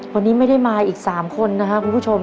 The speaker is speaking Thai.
วันนี้ไม่ได้มาอีก๓คนนะครับคุณผู้ชม